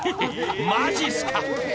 マジすか？